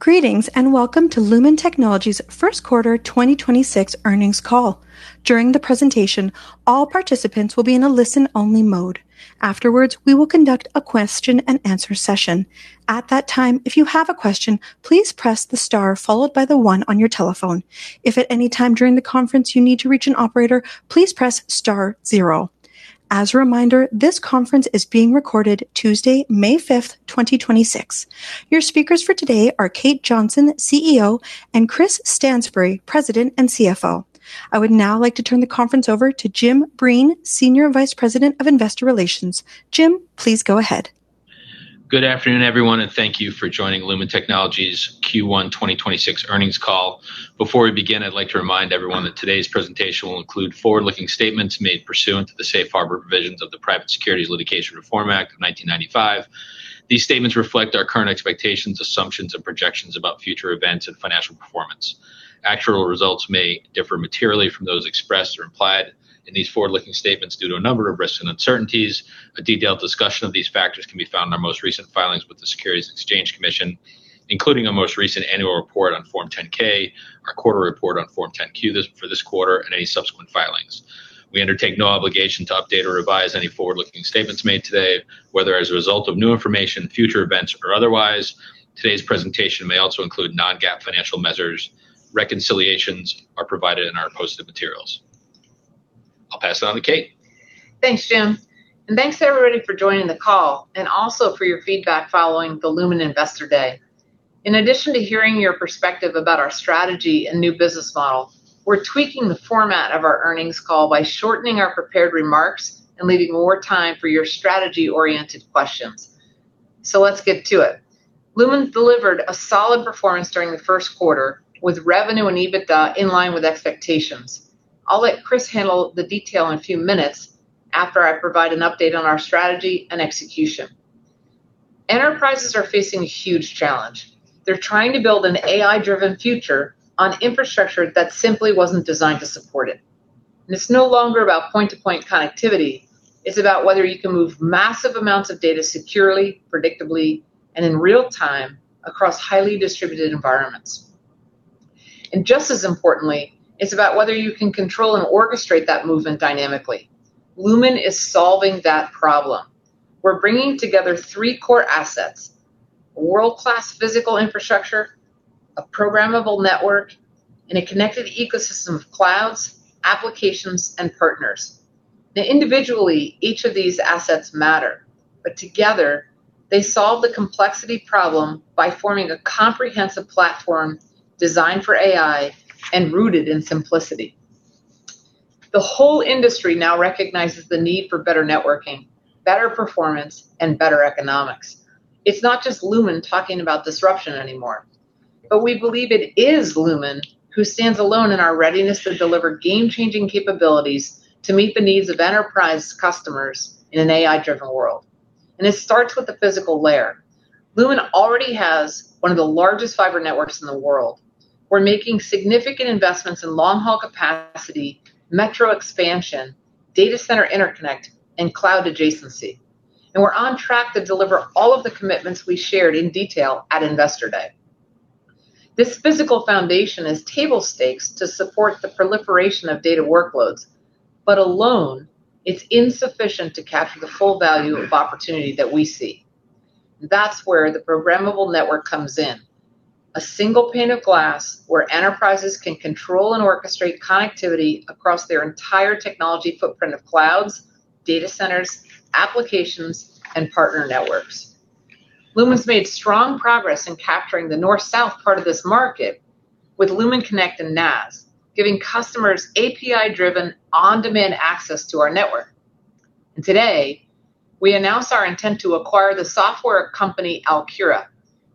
Greetings, welcome to Lumen Technologies' first quarter 2026 earnings call. During the presentation, all participants will be in a listen-only mode. Afterwards, we will conduct a question and answer session. At that time, if you have a question, please press the star followed by the one on your telephone. If at any time during the conference you need to reach an operator, please press star zero. As a reminder, this conference is being recorded Tuesday, May 5th, 2026. Your speakers for today are Kate Johnson, CEO, and Chris Stansbury, President and CFO. I would now like to turn the conference over to Jim Breen, Senior Vice President of Investor Relations. Jim, please go ahead. Good afternoon, everyone, and thank you for joining Lumen Technologies' Q1 2026 earnings call. Before we begin, I'd like to remind everyone that today's presentation will include forward-looking statements made pursuant to the safe harbor provisions of the Private Securities Litigation Reform Act of 1995. These statements reflect our current expectations, assumptions, and projections about future events and financial performance. Actual results may differ materially from those expressed or implied in these forward-looking statements due to a number of risks and uncertainties. A detailed discussion of these factors can be found in our most recent filings with the Securities and Exchange Commission, including our most recent annual report on Form 10-K, our quarter report on Form 10-Q for this quarter, and any subsequent filings. We undertake no obligation to update or revise any forward-looking statements made today, whether as a result of new information, future events, or otherwise. Today's presentation may also include non-GAAP financial measures. Reconciliations are provided in our posted materials. I'll pass it on to Kate. Thanks, Jim. Thanks to everybody for joining the call and also for your feedback following the Lumen Investor Day. In addition to hearing your perspective about our strategy and new business model, we're tweaking the format of our earnings call by shortening our prepared remarks and leaving more time for your strategy-oriented questions. Let's get to it. Lumen's delivered a solid performance during the first quarter with revenue and EBITDA in line with expectations. I'll let Chris handle the detail in a few minutes after I provide an update on our strategy and execution. Enterprises are facing a huge challenge. They're trying to build an AI-driven future on infrastructure that simply wasn't designed to support it. It's no longer about point-to-point connectivity. It's about whether you can move massive amounts of data securely, predictably, and in real time across highly distributed environments. Just as importantly, it's about whether you can control and orchestrate that movement dynamically. Lumen is solving that problem. We're bringing together three core assets, world-class physical infrastructure, a programmable network, and a connected ecosystem of clouds, applications, and partners. Individually, each of these assets matter, but together, they solve the complexity problem by forming a comprehensive platform designed for AI and rooted in simplicity. The whole industry now recognizes the need for better networking, better performance, and better economics. It's not just Lumen talking about disruption anymore, but we believe it is Lumen who stands alone in our readiness to deliver game-changing capabilities to meet the needs of enterprise customers in an AI-driven world, and it starts with the physical layer. Lumen already has one of the largest fiber networks in the world. We're making significant investments in long-haul capacity, metro expansion, data center interconnect, and cloud adjacency. We're on track to deliver all of the commitments we shared in detail at Investor Day. This physical foundation is table stakes to support the proliferation of data workloads, but alone it's insufficient to capture the full value of opportunity that we see. That's where the programmable network comes in. A single pane of glass where enterprises can control and orchestrate connectivity across their entire technology footprint of clouds, data centers, applications, and partner networks. Lumen's made strong progress in capturing the north-south part of this market with Lumen Connect and NaaS, giving customers API-driven, on-demand access to our network. Today, we announce our intent to acquire the software company Alkira.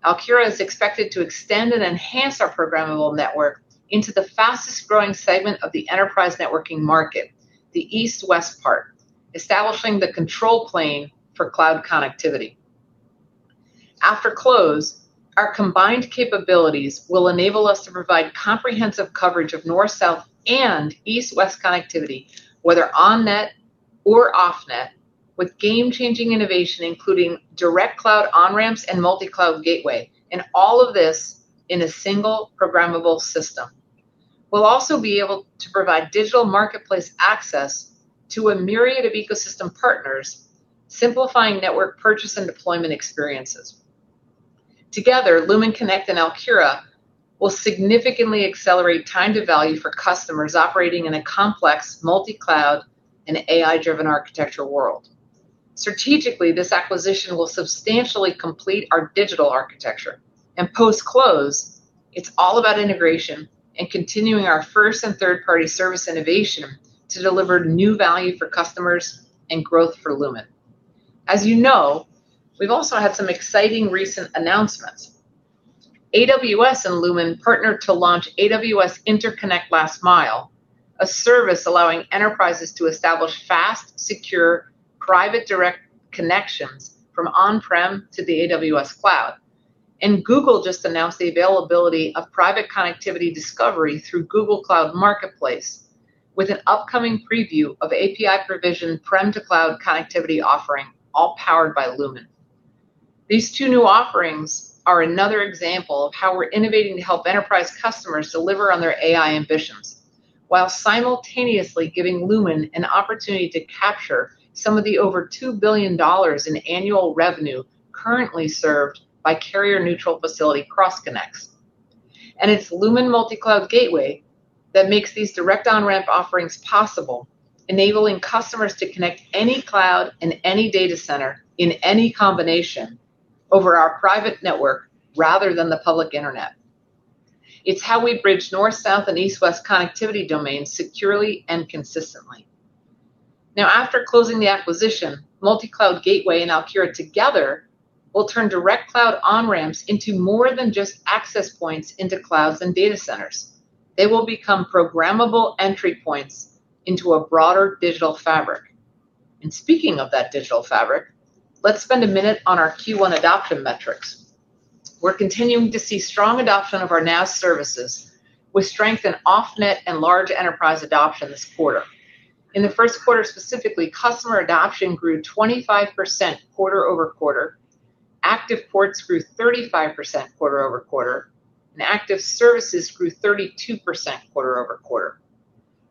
Alkira is expected to extend and enhance our programmable network into the fastest-growing segment of the enterprise networking market, the east-west part, establishing the control plane for cloud connectivity. After close, our combined capabilities will enable us to provide comprehensive coverage of north-south and east-west connectivity, whether on-net or off-net, with game-changing innovation, including direct cloud on-ramps and Multi-Cloud Gateway, and all of this in a single programmable system. We'll also be able to provide digital marketplace access to a myriad of ecosystem partners, simplifying network purchase and deployment experiences. Together, Lumen Connect and Alkira will significantly accelerate time to value for customers operating in a complex multi-cloud and AI-driven architecture world. Strategically, this acquisition will substantially complete our digital architecture, and post-close, it's all about integration and continuing our first and third-party service innovation to deliver new value for customers and growth for Lumen. As you know, we've also had some exciting recent announcements. AWS and Lumen partnered to launch AWS Interconnect – last mile, a service allowing enterprises to establish fast, secure, private direct connections from on-prem to the AWS cloud. Google just announced the availability of private connectivity discovery through Google Cloud Marketplace. With an upcoming preview of API-provisioned prem to cloud connectivity offering, all powered by Lumen. These two new offerings are another example of how we're innovating to help enterprise customers deliver on their AI ambitions, while simultaneously giving Lumen an opportunity to capture some of the over $2 billion in annual revenue currently served by carrier-neutral facility cross connects. It's Lumen Multi-Cloud Gateway that makes these direct on-ramp offerings possible, enabling customers to connect any cloud and any data center in any combination over our private network rather than the public internet. It's how we bridge north-south and east-west connectivity domains securely and consistently. Now, after closing the acquisition, Multi-Cloud Gateway and Alkira together will turn direct cloud on-ramps into more than just access points into clouds and data centers. They will become programmable entry points into a broader digital fabric. Speaking of that digital fabric, let's spend a minute on our Q1 adoption metrics. We're continuing to see strong adoption of our NaaS services, with strength in off-net and large enterprise adoption this quarter. In the first quarter specifically, customer adoption grew 25% quarter-over-quarter, active ports grew 35% quarter-over-quarter, and active services grew 32% quarter-over-quarter.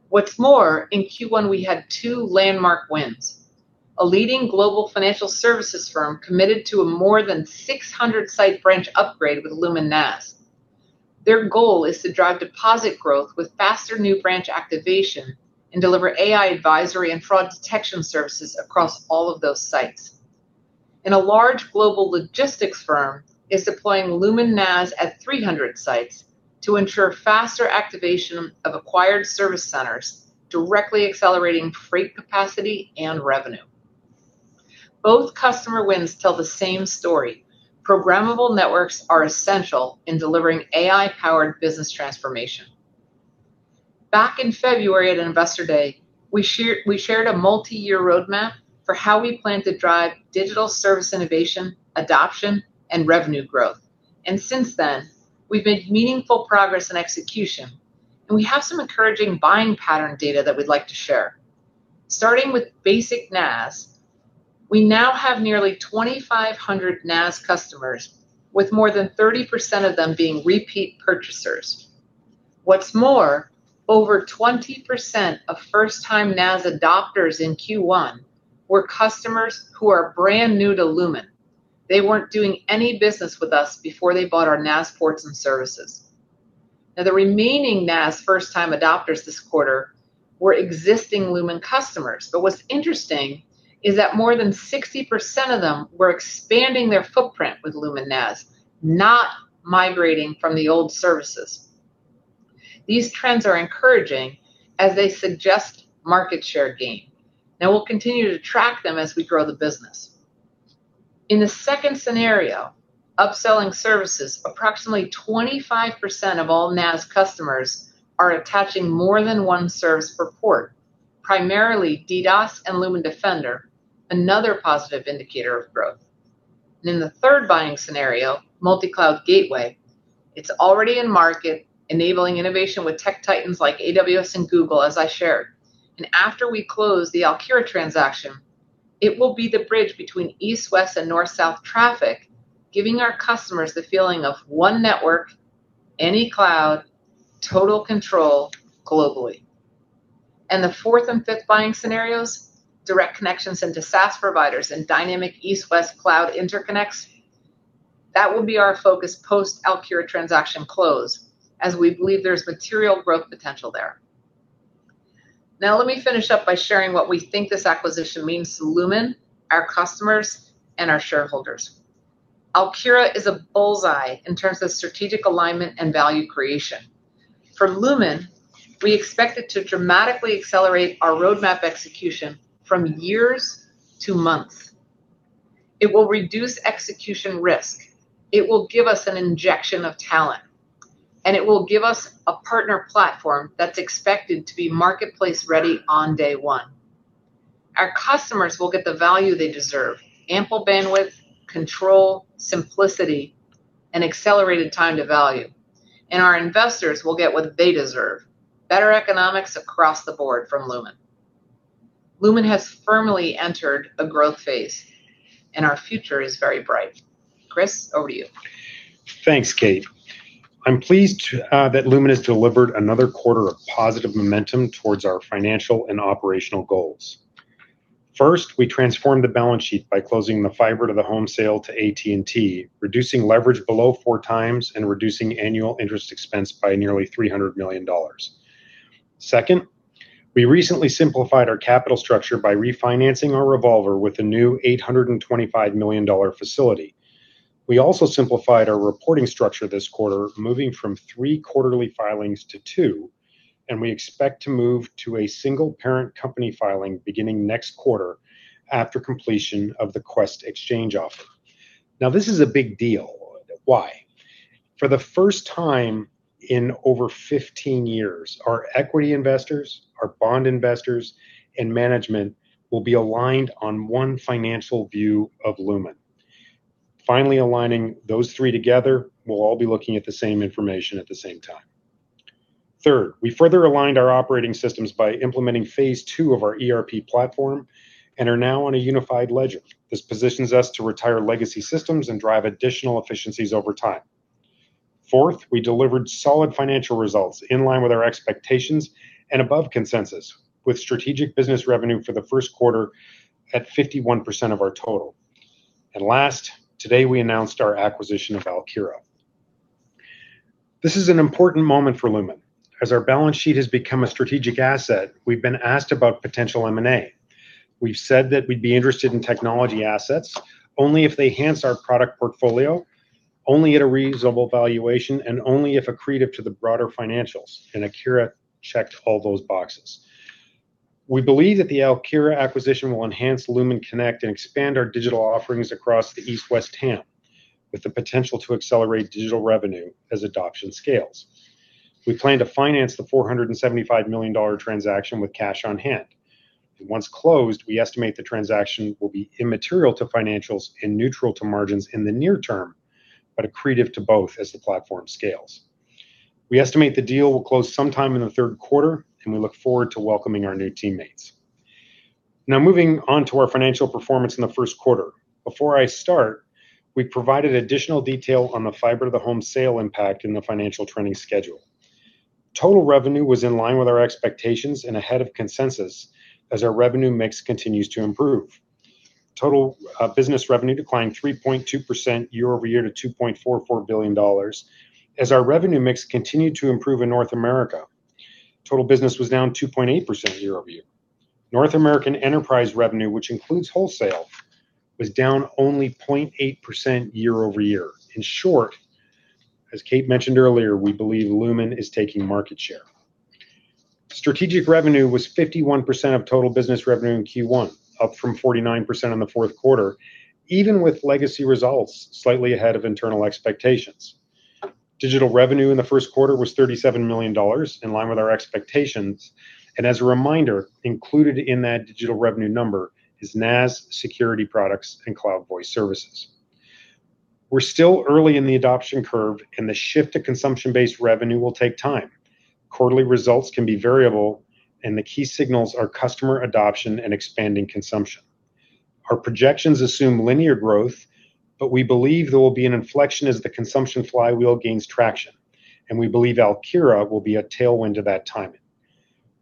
What's more, in Q1 we had two landmark wins. A leading global financial services firm committed to a more than 600 site branch upgrade with Lumen NaaS. Their goal is to drive deposit growth with faster new branch activation and deliver AI advisory and fraud detection services across all of those sites. A large global logistics firm is deploying Lumen NaaS at 300 sites to ensure faster activation of acquired service centers, directly accelerating freight capacity and revenue. Both customer wins tell the same story. Programmable networks are essential in delivering AI-powered business transformation. Back in February at Investor Day, we shared a multi-year roadmap for how we plan to drive digital service innovation, adoption, and revenue growth. Since then, we've made meaningful progress in execution, and we have some encouraging buying pattern data that we'd like to share. Starting with basic NaaS, we now have nearly 2,500 NaaS customers, with more than 30% of them being repeat purchasers. What's more, over 20% of first-time NaaS adopters in Q1 were customers who are brand new to Lumen. They weren't doing any business with us before they bought our NaaS ports and services. Now, the remaining NaaS first-time adopters this quarter were existing Lumen customers. What's interesting is that more than 60% of them were expanding their footprint with Lumen NaaS, not migrating from the old services. These trends are encouraging as they suggest market share gain, and we'll continue to track them as we grow the business. In the second scenario, upselling services, approximately 25% of all NaaS customers are attaching more than one service per port, primarily DDoS and Lumen Defender, another positive indicator of growth. In the third buying scenario, Multi-Cloud Gateway, it's already in market enabling innovation with tech titans like AWS and Google, as I shared. After we close the Alkira transaction, it will be the bridge between east-west and north-south traffic, giving our customers the feeling of one network, any cloud, total control globally. The fourth and fifth buying scenarios, direct connections into SaaS providers and dynamic east-west cloud interconnects, that will be our focus post Alkira transaction close, as we believe there's material growth potential there. Now let me finish up by sharing what we think this acquisition means to Lumen, our customers, and our shareholders. Alkira is a bullseye in terms of strategic alignment and value creation. For Lumen, we expect it to dramatically accelerate our roadmap execution from years to months. It will reduce execution risk. It will give us an injection of talent, and it will give us a partner platform that's expected to be marketplace ready on day one. Our customers will get the value they deserve, ample bandwidth, control, simplicity, and accelerated time to value. Our investors will get what they deserve, better economics across the board from Lumen. Lumen has firmly entered a growth phase, and our future is very bright. Chris, over to you. Thanks, Kate. I'm pleased that Lumen has delivered another quarter of positive momentum towards our financial and operational goals. First, we transformed the balance sheet by closing the fiber-to-the-home sale to AT&T, reducing leverage below 4x and reducing annual interest expense by nearly $300 million. Second, we recently simplified our capital structure by refinancing our revolver with a new $825 million facility. We also simplified our reporting structure this quarter, moving from three quarterly filings to two, and we expect to move to a single parent company filing beginning next quarter after completion of the Qwest exchange offer. This is a big deal. Why? For the first time in over 15 years, our equity investors, our bond investors, and management will be aligned on one financial view of Lumen. Aligning those three together, we'll all be looking at the same information at the same time. Third, we further aligned our operating systems by implementing phase II of our ERP platform and are now on a unified ledger. This positions us to retire legacy systems and drive additional efficiencies over time. Fourth, we delivered solid financial results in line with our expectations and above consensus, with strategic business revenue for the first quarter at 51% of our total. Last, today we announced our acquisition of Alkira. This is an important moment for Lumen. As our balance sheet has become a strategic asset, we've been asked about potential M&A. We've said that we'd be interested in technology assets only if they enhance our product portfolio, only at a reasonable valuation, and only if accretive to the broader financials, and Alkira checked all those boxes. We believe that the Alkira acquisition will enhance Lumen Connect and expand our digital offerings across the east-west traffic, with the potential to accelerate digital revenue as adoption scales. We plan to finance the $475 million transaction with cash on hand. Once closed, we estimate the transaction will be immaterial to financials and neutral to margins in the near term, but accretive to both as the platform scales. We estimate the deal will close sometime in the third quarter, and we look forward to welcoming our new teammates. Now moving on to our financial performance in the first quarter. Before I start, we provided additional detail on the fiber to the home sale impact in the financial trending schedule. Total revenue was in line with our expectations and ahead of consensus as our revenue mix continues to improve. Total business revenue declined 3.2% year-over-year to $2.44 billion as our revenue mix continued to improve in North America. Total business was down 2.8% year-over-year. North American enterprise revenue, which includes wholesale, was down only 0.8% year-over-year. In short, as Kate mentioned earlier, we believe Lumen is taking market share. Strategic revenue was 51% of total business revenue in Q1, up from 49% in the fourth quarter, even with legacy results slightly ahead of internal expectations. Digital revenue in the first quarter was $37 million, in line with our expectations. As a reminder, included in that digital revenue number is NaaS security products and cloud voice services. We're still early in the adoption curve, The shift to consumption-based revenue will take time. Quarterly results can be variable, The key signals are customer adoption and expanding consumption. Our projections assume linear growth, We believe there will be an inflection as the consumption flywheel gains traction, We believe Alkira will be a tailwind to that timing.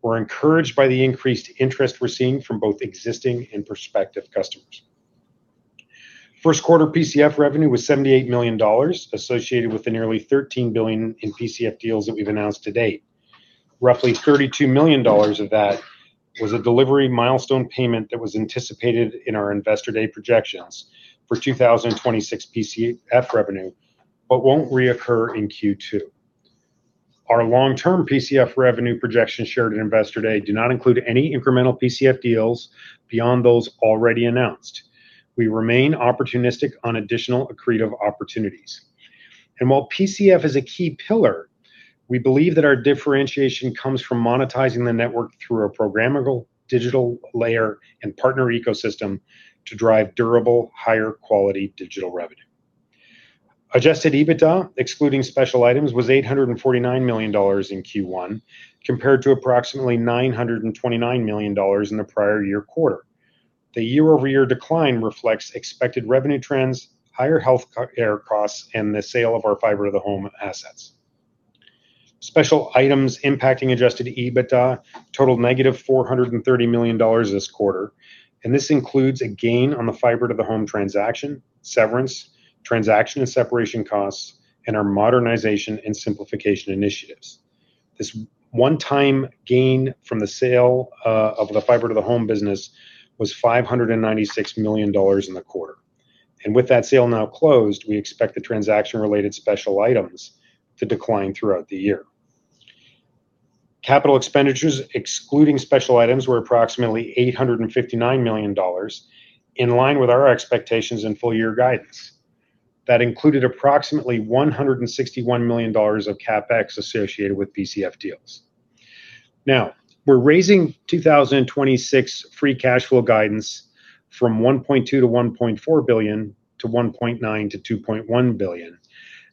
We're encouraged by the increased interest we're seeing from both existing and prospective customers. First quarter PCF revenue was $78 million, associated with the nearly $13 billion in PCF deals that we've announced to date. Roughly $32 million of that was a delivery milestone payment that was anticipated in our Investor Day projections for 2026 PCF revenue, won't reoccur in Q2. Our long-term PCF revenue projections shared at Investor Day do not include any incremental PCF deals beyond those already announced. We remain opportunistic on additional accretive opportunities. While PCF is a key pillar, we believe that our differentiation comes from monetizing the network through a programmable digital layer and partner ecosystem to drive durable, higher quality digital revenue. Adjusted EBITDA, excluding special items, was $849 million in Q1, compared to approximately $929 million in the prior year quarter. The year-over-year decline reflects expected revenue trends, higher healthcare costs, and the sale of our fiber to the home assets. Special items impacting Adjusted EBITDA totaled -$430 million this quarter. This includes a gain on the fiber to the home transaction, severance, transaction and separation costs, and our modernization and simplification initiatives. This one-time gain from the sale of the fiber to the home business was $596 million in the quarter. With that sale now closed, we expect the transaction-related special items to decline throughout the year. Capital expenditures, excluding special items, were approximately $859 million, in line with our expectations and full year guidance. That included approximately $161 million of CapEx associated with PCF deals. Now, we're raising 2026 free cash flow guidance from $1.2 billion-$1.4 billion to $1.9 billion-$2.1 billion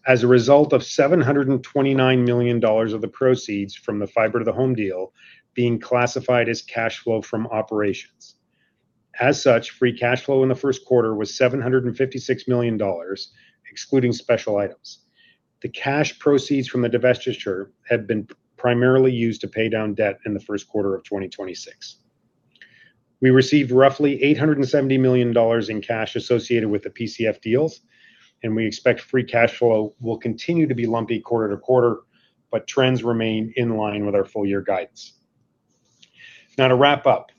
as a result of $729 million of the proceeds from the fiber to the home deal being classified as cash flow from operations. As such, free cash flow in the first quarter was $756 million, excluding special items. The cash proceeds from the divestiture have been primarily used to pay down debt in the first quarter of 2026. We received roughly $870 million in cash associated with the PCF deals, and we expect free cash flow will continue to be lumpy quarter to quarter, but trends remain in line with our full year guidance. Now to wrap up,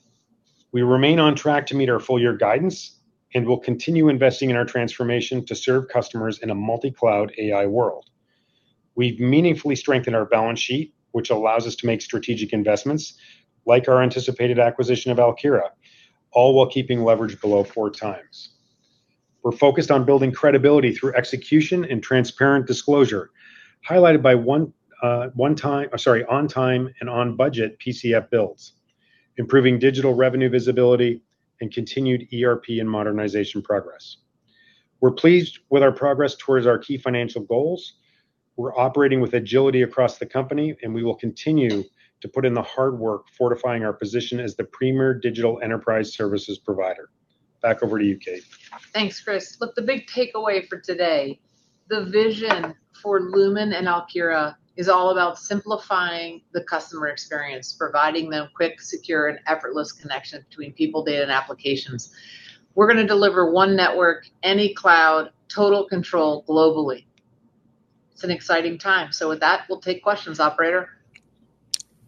we remain on track to meet our full year guidance and will continue investing in our transformation to serve customers in a multi-cloud AI world. We've meaningfully strengthened our balance sheet, which allows us to make strategic investments like our anticipated acquisition of Alkira, all while keeping leverage below 4x. We're focused on building credibility through execution and transparent disclosure, highlighted by on time and on budget PCF builds, improving digital revenue visibility and continued ERP and modernization progress. We're pleased with our progress towards our key financial goals. We're operating with agility across the company, we will continue to put in the hard work fortifying our position as the premier digital enterprise services provider. Back over to you, Kate. Thanks, Chris. The big takeaway for today, the vision for Lumen and Alkira is all about simplifying the customer experience, providing them quick, secure, and effortless connection between people, data, and applications. We're gonna deliver one network, any cloud, total control globally. It's an exciting time. With that, we'll take questions. Operator?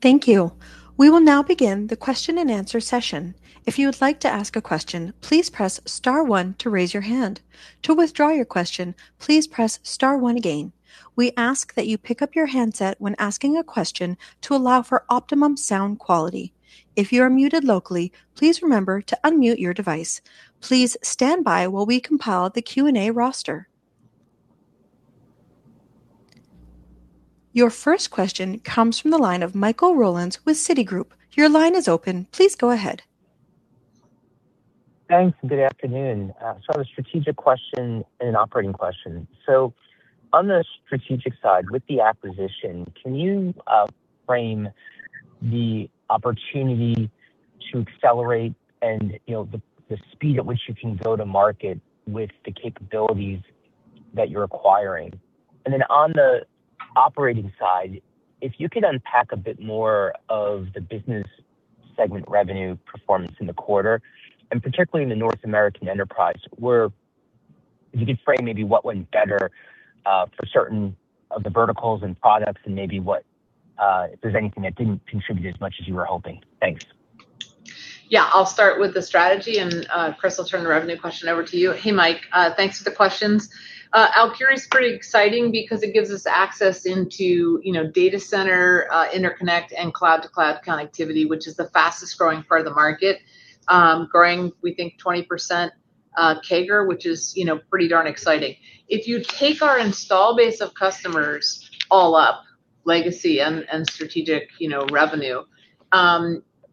Thank you. We will now begin the question-and-answer session. If you would like to ask a question, please press star one to raise your hand. To withdraw your question, please press star one again. We ask that you pick up your handset when asking a question to allow for optimum sound quality. If you are muted locally, please remember to unmute your device. Your first question comes from the line of Michael Rollins with Citigroup. Your line is open. Please go ahead. Thanks, and good afternoon. I have a strategic question and an operating question. On the strategic side with the acquisition, can you frame the opportunity to accelerate and, you know, the speed at which you can go to market with the capabilities that you're acquiring? Then on the operating side, if you could unpack a bit more of the business segment revenue performance in the quarter, and particularly in the North American enterprise, where if you could frame maybe what went better for certain of the verticals and products and maybe what if there's anything that didn't contribute as much as you were hoping. Thanks. Yeah. I'll start with the strategy. Chris, I'll turn the revenue question over to you. Hey, Mike, thanks for the questions. Alkira is pretty exciting because it gives us access into, you know, data center interconnect and cloud-to-cloud connectivity, which is the fastest growing part of the market, growing we think 20% CAGR, which is, you know, pretty darn exciting. If you take our install base of customers all up, legacy and strategic, you know, revenue,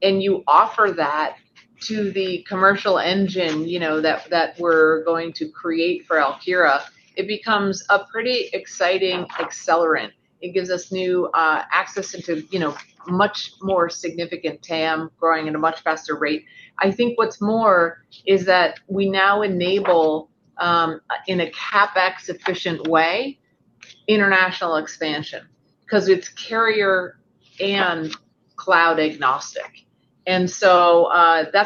you offer that to the commercial engine, you know, that we're going to create for Alkira, it becomes a pretty exciting accelerant. It gives us new access into, you know, much more significant TAM growing at a much faster rate. I think what's more is that we now enable, in a CapEx efficient way, international expansion 'cause it's carrier and cloud agnostic. That's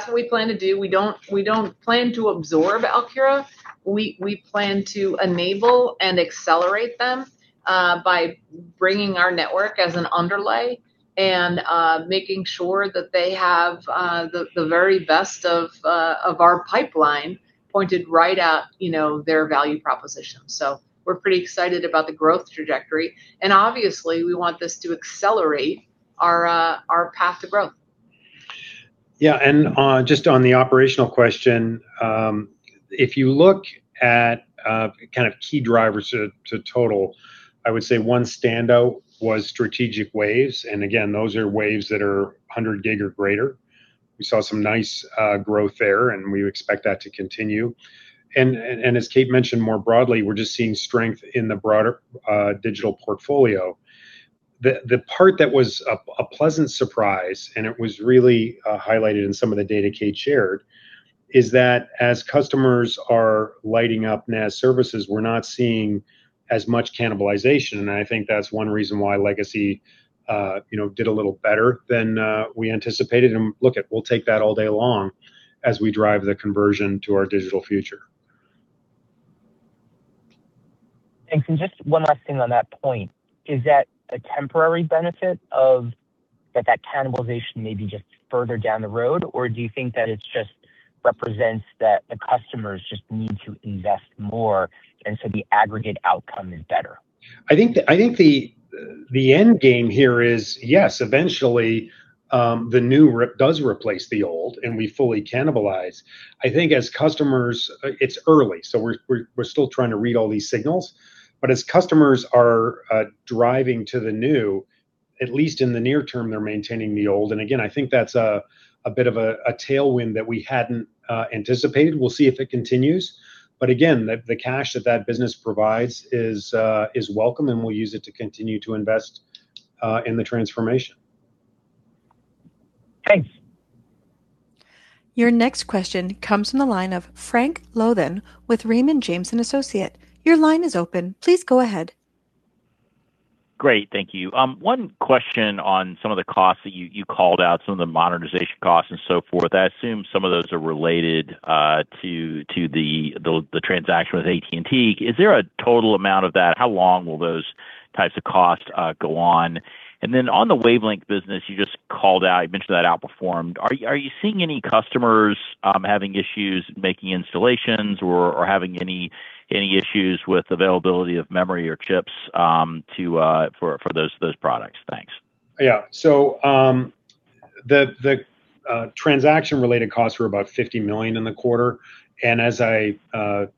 what we plan to do. We don't plan to absorb Alkira. We plan to enable and accelerate them by bringing our network as an underlay and making sure that they have the very best of our pipeline pointed right at, you know, their value proposition. We're pretty excited about the growth trajectory, and obviously we want this to accelerate our path to growth. Yeah. Just on the operational question, if you look at kind of key drivers to total, I would say one standout was strategic waves, and again, those are waves that are 100 Gb or greater. We saw some nice growth there, and we expect that to continue. As Kate mentioned more broadly, we're just seeing strength in the broader digital portfolio. The part that was a pleasant surprise, and it was really highlighted in some of the data Kate shared, is that as customers are lighting up NaaS services, we're not seeing as much cannibalization, and I think that's one reason why legacy, you know, did a little better than we anticipated. Look, we'll take that all day long as we drive the conversion to our digital future. Thanks. Just one last thing on that point, is that a temporary benefit of that cannibalization may be just further down the road, or do you think that it's just represents that the customers just need to invest more, and so the aggregate outcome is better? I think the end game here is, yes, eventually, the new rip does replace the old, and we fully cannibalize. It's early, so we're still trying to read all these signals. As customers are driving to the new, at least in the near term, they're maintaining the old. Again, I think that's a bit of a tailwind that we hadn't anticipated. We'll see if it continues, but again, the cash that that business provides is welcome, and we'll use it to continue to invest in the transformation. Thanks. Your next question comes from the line of Frank Louthan with Raymond James & Associates. Your line is open. Please go ahead. Great. Thank you. One question on some of the costs that you called out, some of the modernization costs and so forth. I assume some of those are related to the transaction with AT&T. Is there a total amount of that? How long will those types of costs go on? On the wavelength business, you just called out, you mentioned that outperformed. Are you seeing any customers having issues making installations or having any issues with availability of memory or chips to for those products? Thanks. So, the transaction related costs were about $50 million in the quarter, and as I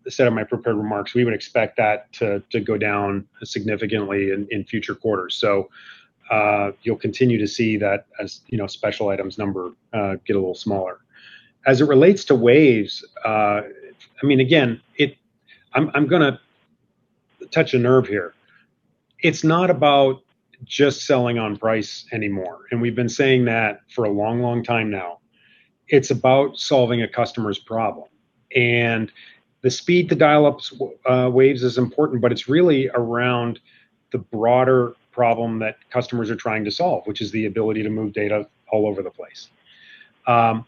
said in my prepared remarks, we would expect that to go down significantly in future quarters. You'll continue to see that as, you know, special items number get a little smaller. As it relates to waves, I mean, again, I'm gonna touch a nerve here. It's not about just selling on price anymore, and we've been saying that for a long, long time now. It's about solving a customer's problem. The speed to dial-ups waves is important, but it's really around the broader problem that customers are trying to solve, which is the ability to move data all over the place. Our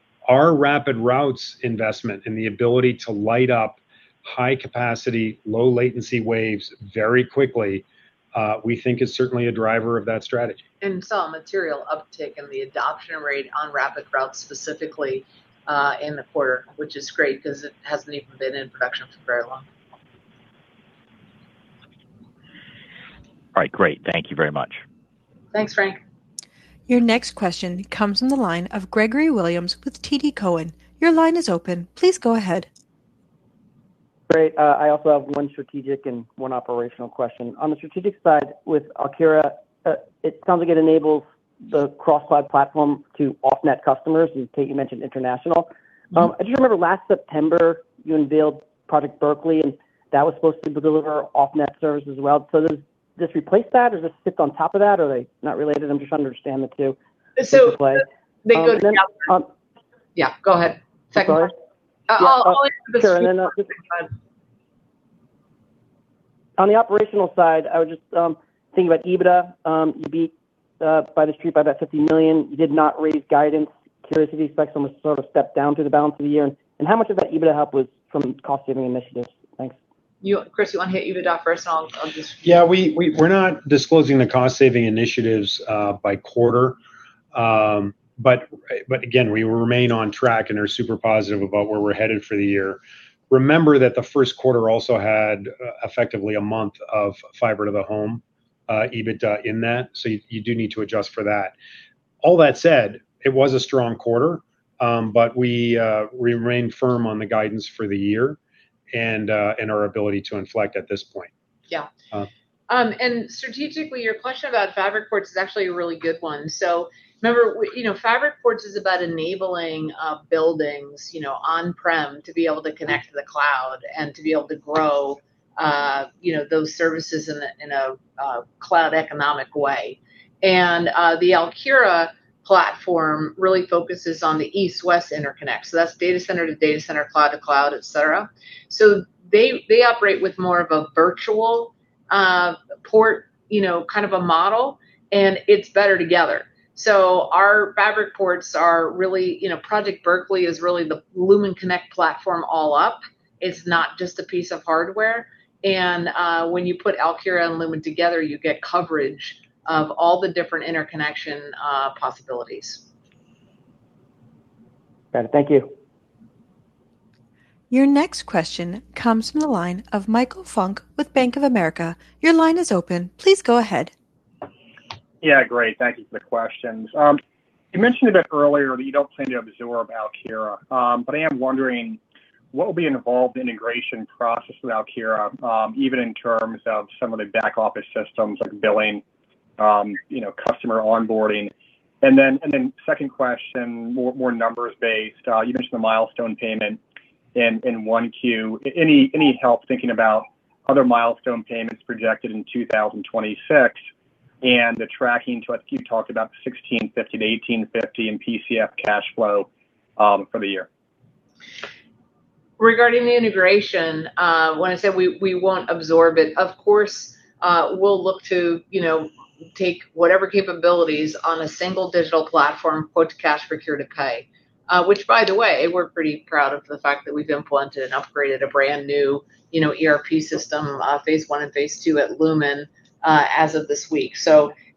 RapidRoutes investment and the ability to light up high capacity, low latency waves very quickly, we think is certainly a driver of that strategy. Saw a material uptick in the adoption rate on RapidRoutes specifically, in the quarter, which is great 'cause it hasn't even been in production for very long. All right. Great. Thank you very much. Thanks, Frank. Your next question comes from the line of Gregory Williams with TD Cowen. Your line is open. Please go ahead. Great. I also have one strategic and one operational question. On the strategic side with Alkira, it sounds like it enables the Multi-Cloud Gateway platform to off-net customers, and Kate, you mentioned international. I just remember last September you unveiled Project Berkeley, and that was supposed to deliver off-net service as well. Does this replace that or does this sit on top of that? Are they not related? I'm just trying to understand the two. So the- display. They go together. Yeah, go ahead. Second part. Go ahead? I'll answer the first part. Sure, then I'll just. Because- On the operational side, I would just think about EBITDA. You beat by the street by about $50 million. You did not raise guidance. Curious if you expect some sort of step down through the balance of the year. How much of that EBITDA help was from cost saving initiatives? Thanks. You, Chris, you want to hit EBITDA first? Yeah. We're not disclosing the cost saving initiatives by quarter. Again, we remain on track and are super positive about where we're headed for the year. Remember that the first quarter also had effectively a month of fiber to the home EBITDA in that. You do need to adjust for that. All that said, it was a strong quarter. We remain firm on the guidance for the year and our ability to inflect at this point. Yeah. Strategically, your question about Fabric Ports is actually a really good one. Remember you know, Fabric Ports is about enabling buildings, you know, on-prem to be able to connect to the cloud and to be able to grow, you know, those services in a cloud economic way. The Alkira platform really focuses on the east-west interconnect. That's data center to data center, cloud to cloud, et cetera. They operate with more of a virtual port, you know, kind of a model, and it's better together. Our Fabric Ports are really, you know, Project Berkeley is really the Lumen Connect platform all up. It's not just a piece of hardware. When you put Alkira and Lumen together, you get coverage of all the different interconnection possibilities. Got it. Thank you. Your next question comes from the line of Michael Funk with Bank of America. Your line is open. Please go ahead. Yeah, great. Thank you for the questions. You mentioned a bit earlier that you don't plan to absorb Alkira. But I am wondering what will be involved in the integration process with Alkira, even in terms of some of the back office systems like billing, you know, customer onboarding. Then, second question, more numbers based. You mentioned the milestone payment in 1Q. Any help thinking about other milestone payments projected in 2026 and the tracking to, I think you talked about the $1,650-$1,850 in PCF cash flow for the year. Regarding the integration, when I said we won't absorb it, of course, we'll look to, you know, take whatever capabilities on a single digital platform, quote, cash procure to pay. Which by the way, we're pretty proud of the fact that we've implemented and upgraded a brand new, you know, ERP system, phase I and phase II at Lumen, as of this week.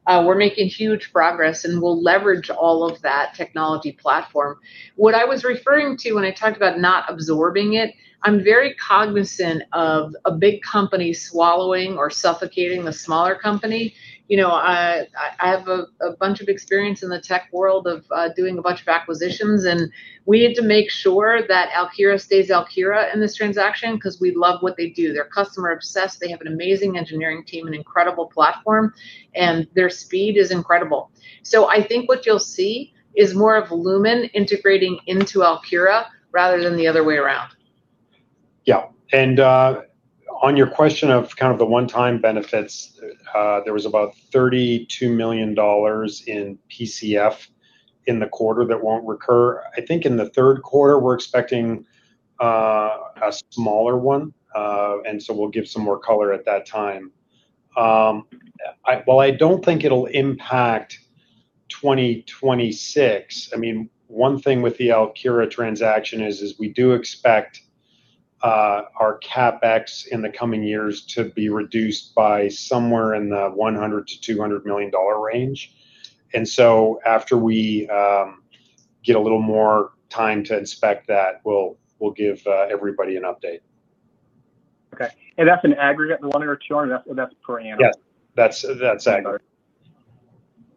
We're making huge progress, and we'll leverage all of that technology platform. What I was referring to when I talked about not absorbing it, I'm very cognizant of a big company swallowing or suffocating the smaller company. You know, I have a bunch of experience in the tech world of doing a bunch of acquisitions, and we had to make sure that Alkira stays Alkira in this transaction 'cause we love what they do. They're customer obsessed, they have an amazing engineering team and incredible platform, and their speed is incredible. I think what you'll see is more of Lumen integrating into Alkira rather than the other way around. Yeah. On your question of kind of the one-time benefits, there was about $32 million in PCF in the quarter that won't recur. I think in the third quarter we're expecting a smaller one. We'll give some more color at that time. While I don't think it'll impact 2026, I mean, one thing with the Alkira transaction is we do expect our CapEx in the coming years to be reduced by somewhere in the $100 million-$200 million range. After we get a little more time to inspect that, we'll give everybody an update. Okay. That's an aggregate, the $100 million or $200 million, or that's per annum? Yes. That's aggregate.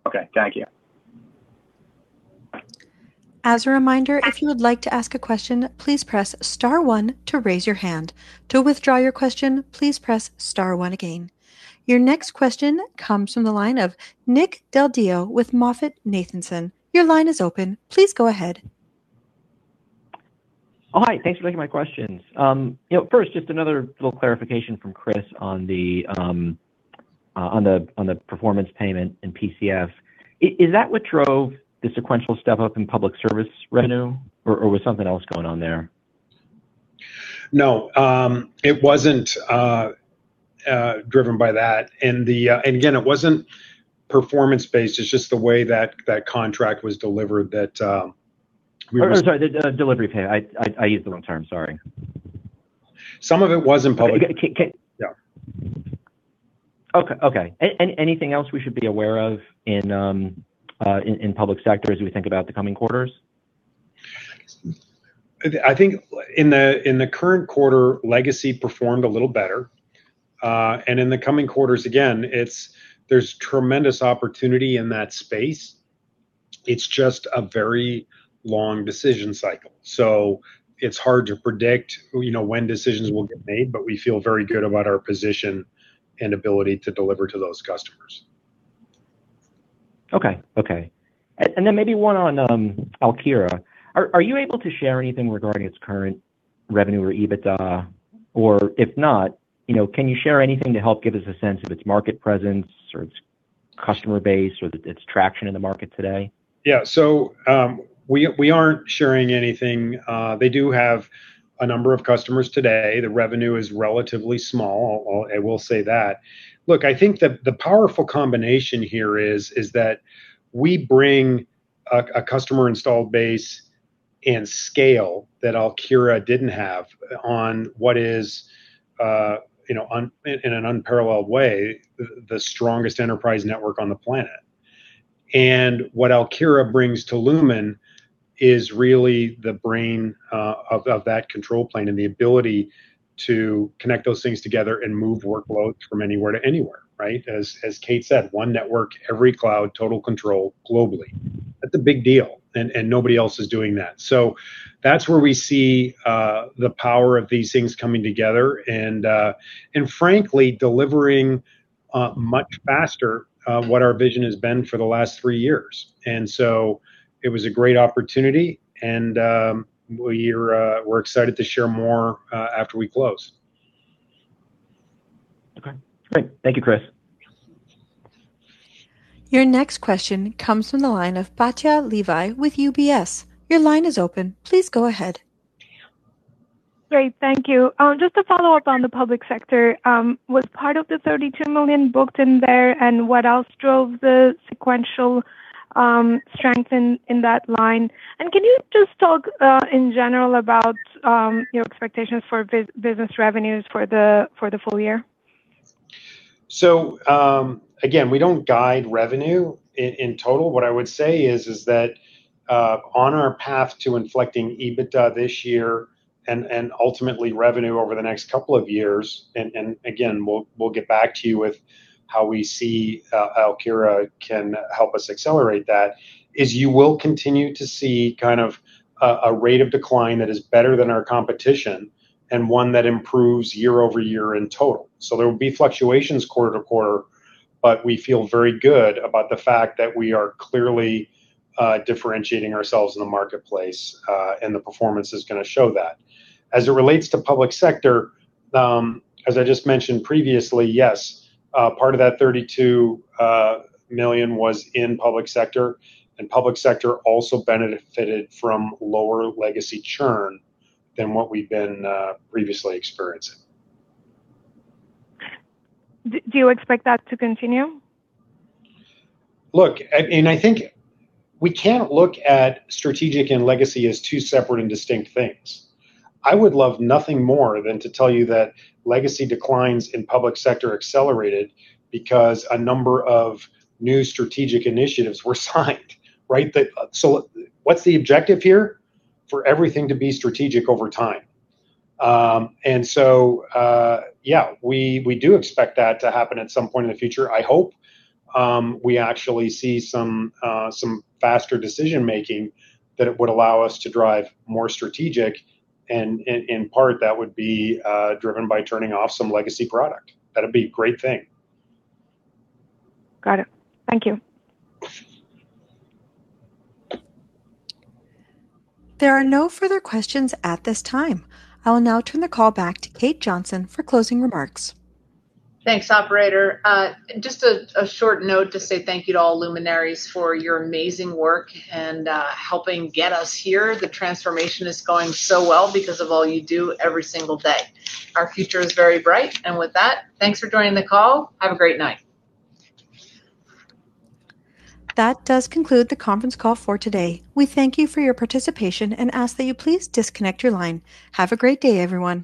Okay. Thank you. As a reminder if you'd like to ask a question please press star one to raise your hand. To withdraw your question please press star one again. Your next question comes from the line of Nick Del Deo with MoffettNathanson. Your line is open. Please go ahead. Oh, hi. Thanks for taking my questions. you know, first just another little clarification from Chris on the performance payment in PCF. Is that what drove the sequential step up in public service revenue or was something else going on there? No. It wasn't driven by that. Again, it wasn't performance-based, it's just the way that that contract was delivered that we were- Oh, I'm sorry. The delivery pay. I used the wrong term. Sorry. Some of it was in public- Can Yeah. Okay. Okay. Anything else we should be aware of in public sector as we think about the coming quarters? I think in the current quarter, legacy performed a little better. In the coming quarters, again, there's tremendous opportunity in that space, it's just a very long decision cycle. It's hard to predict, you know, when decisions will get made, but we feel very good about our position and ability to deliver to those customers. Okay. Okay. Then maybe one on Alkira. Are you able to share anything regarding its current revenue or EBITDA? Or if not, you know, can you share anything to help give us a sense of its market presence or its customer base or its traction in the market today? We aren't sharing anything. They do have a number of customers today. The revenue is relatively small. I will say that. Look, I think the powerful combination here is that we bring a customer installed base and scale that Alkira didn't have on what is, you know, in an unparalleled way, the strongest enterprise network on the planet. What Alkira brings to Lumen is really the brain of that control plane and the ability to connect those things together and move workloads from anywhere to anywhere, right? As Kate said, one network, every cloud, total control globally. That's a big deal and nobody else is doing that. That's where we see the power of these things coming together and frankly, delivering much faster what our vision has been for the last three years. It was a great opportunity, and we're excited to share more after we close. Okay, great. Thank you, Chris. Your next question comes from the line of Batya Levi with UBS. Your line is open. Please go ahead. Great. Thank you. Just a follow-up on the public sector. Was part of the $32 million booked in there, and what else drove the sequential strength in that line? Can you just talk in general about your expectations for business revenues for the full year? Again, we don't guide revenue in total. What I would say is that, on our path to inflecting EBITDA this year and ultimately revenue over the next couple of years, and again, we'll get back to you with how we see Alkira can help us accelerate that, is you will continue to see kind of a rate of decline that is better than our competition and one that improves year-over-year in total. There will be fluctuations quarter-to-quarter, but we feel very good about the fact that we are clearly differentiating ourselves in the marketplace, and the performance is gonna show that. As it relates to public sector, as I just mentioned previously, yes, part of that $32 million was in public sector, and public sector also benefited from lower legacy churn than what we've been previously experiencing. Do you expect that to continue? Look, I think we can't look at strategic and legacy as two separate and distinct things. I would love nothing more than to tell you that legacy declines in public sector accelerated because a number of new strategic initiatives were signed, right? What's the objective here? For everything to be strategic over time. Yeah, we do expect that to happen at some point in the future. I hope, we actually see some faster decision-making that it would allow us to drive more strategic and in part that would be driven by turning off some legacy product. That'd be a great thing. Got it. Thank you. There are no further questions at this time. I will now turn the call back to Kate Johnson for closing remarks. Thanks, operator. Just a short note to say thank you to all Luminaries for your amazing work and helping get us here. The transformation is going so well because of all you do every single day. Our future is very bright. With that, thanks for joining the call. Have a great night. That does conclude the conference call for today. We thank you for your participation and ask that you please disconnect your line. Have a great day everyone.